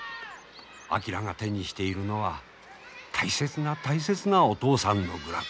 昭が手にしているのは大切な大切なお父さんのグラブ。